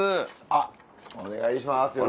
あっお願いします。